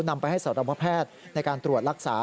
นำไปให้สวรรค์ภาพแพทย์ในการตรวจรักษา